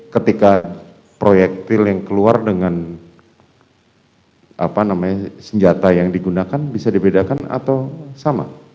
ketika proyektil yang keluar dengan senjata yang digunakan bisa dibedakan atau sama